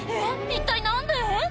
一体何で？